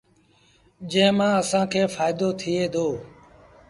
جݩهݩ مآݩ اسآݩ کي ڦآئيدو ٿئي دو۔